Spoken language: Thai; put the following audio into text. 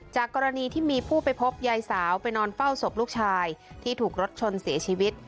กรณีที่มีผู้ไปพบยายสาวไปนอนเฝ้าศพลูกชายที่ถูกรถชนเสียชีวิต